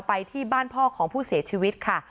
ไปที่บ้านพ่อของผู้เสียชีวิตค่ะ